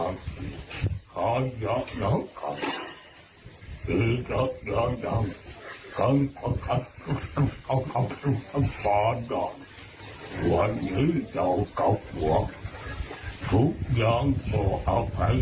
งับหวะทุกอย่างโขอภัยให้เจกุริเม็อร์หลอกขึ้นมาจุดิ้นในโลกา